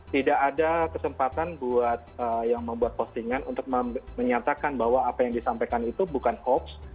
tidak ada kesempatan yang membuat postingan untuk menyatakan bahwa apa yang disampaikan itu bukan hoax